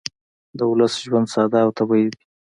د ولس ژوند ساده او طبیعي دی